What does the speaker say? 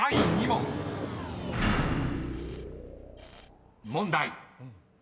［問題］